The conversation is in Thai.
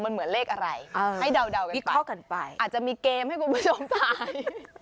อนเหมือนเลขอะไรให้เดาค่ะคนไปอาจจะมีเกมเรากุมชมชาย